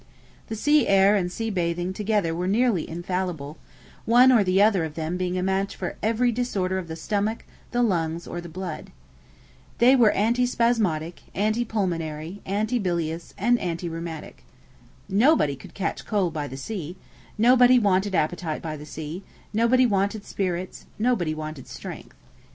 The sea air and sea bathing together were nearly infallible; one or other of them being a match for every disorder of the stomach, the lungs, or the blood. They were anti spasmodic, anti pulmonary, anti bilious, and anti rheumatic. Nobody could catch cold by the sea; nobody wanted appetite by the sea; nobody wanted spirits; nobody wanted strength.